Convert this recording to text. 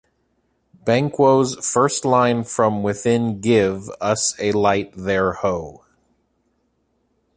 Banquo's first line from within Give us a light there, ho!